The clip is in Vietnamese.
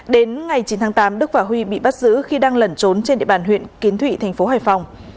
đến ngày chín tháng tám đức và huy bị bắt giữ khi đang lẩn trốn trên địa bàn huyện kiến thụy thành phố hải phòng